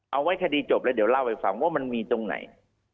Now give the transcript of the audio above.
เอาไว้คดีจบแล้วเดี๋ยวเล่าให้ฟังว่ามันมีตรงไหน